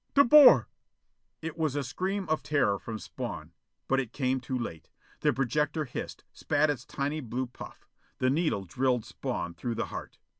"De Boer " It was a scream of terror from Spawn. But it came too late. The projector hissed; spat its tiny blue puff. The needle drilled Spawn through the heart.